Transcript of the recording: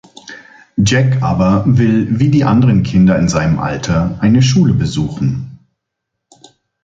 Jack aber will wie die anderen Kinder in seinem Alter eine Schule besuchen.